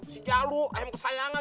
sejaluh ayam kesayangan